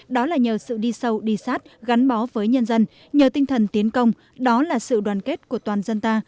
đó là nhờ sự đi sâu đi sát gắn bó với nhân dân nhờ tinh thần tiến công đó là sự đoàn kết của toàn dân ta